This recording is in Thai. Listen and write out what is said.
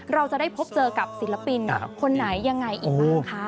เราจะได้พบเจอกับศิลปินคนไหนยังไงอีกบ้างคะ